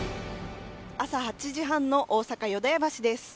朝８時半の大阪・淀屋橋です。